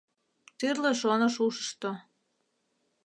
Тӱрлӧ шоныш ушышто